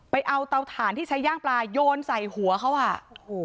ไปเอาเตาถ่านที่ใช้ย่างปลาโยนใส่หัวเขาอ่ะโอ้โห